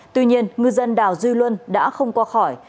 tuy nhiên ngư dân đào duy luân đã không qua khỏi